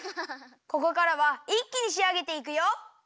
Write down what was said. ここからはいっきにしあげていくよ！